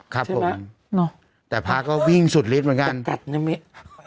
ครับผมแต่ภาพก็วิ่งสุดลิดเหมือนกันเป็นติดกัดมันใช่ไหม